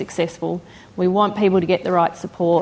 kita ingin orang orang mendapatkan dukungan yang benar